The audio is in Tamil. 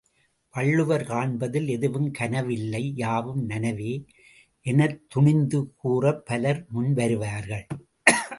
வள்ளுவர் காண்பதில் எதுவுங் கனவு இல்லை யாவும் நனவே எனத்துணிந்து கூறப் பலர் முன் வருவார்கள்.